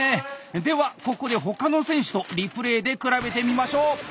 ではここで他の選手とリプレーで比べてみましょう。